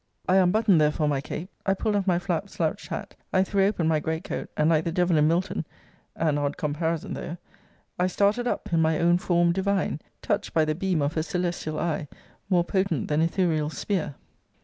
I unbuttoned therefore my cape, I pulled off my flapt slouched hat; I threw open my great coat, and, like the devil in Milton [an odd comparison though!] I started up in my own form divine, Touch'd by the beam of her celestial eye, More potent than Ithuriel's spear!